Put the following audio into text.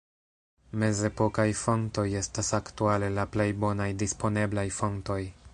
Mezepokaj fontoj estas aktuale la plej bonaj disponeblaj fontoj.